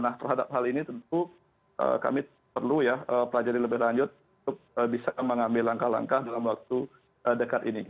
nah terhadap hal ini tentu kami perlu ya pelajari lebih lanjut untuk bisa mengambil langkah langkah dalam waktu dekat ini